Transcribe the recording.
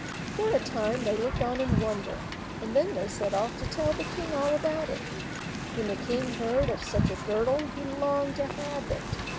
For a time they looked on in wonder, and then they set off to tell the king all about it. When the king heard of such a girdle he longed to have it.